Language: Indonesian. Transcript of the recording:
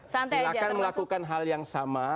silahkan melakukan hal yang sama